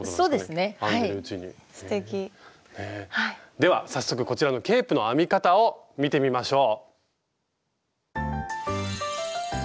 では早速こちらのケープの編み方を見てみましょう。